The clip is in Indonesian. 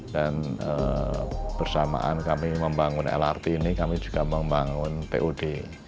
dan bersamaan kami membangun lrt ini kami juga membangun pud